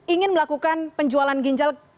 ingin melakukan penjualan ginjal